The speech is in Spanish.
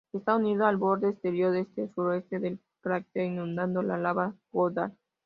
Está unido al borde exterior este-sureste del cráter inundado de lava Goddard.